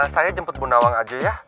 saya jemput bu nawang aja ya